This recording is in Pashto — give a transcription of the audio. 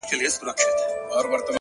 ه ته ناځوانه يې ما كله څه ويلي.!